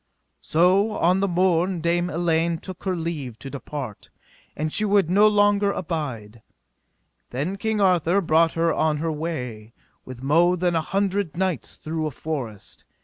So on the morn Dame Elaine took her leave to depart, and she would no longer abide. Then King Arthur brought her on her way with mo than an hundred knights through a forest.